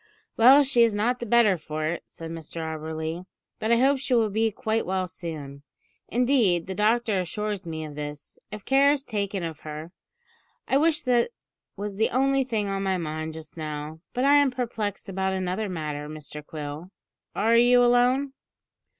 "Well, she is not the better for it," said Mr Auberly; "but I hope she will be quite well soon. Indeed, the doctor assures me of this, if care is taken of her. I wish that was the only thing on my mind just now; but I am perplexed about another matter, Mr Quill. Are you alone?"